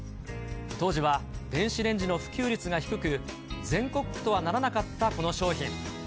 当時は電子レンジの普及率が低く、全国区とはならなかったこの商品。